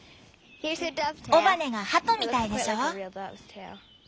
尾羽がハトみたいでしょ？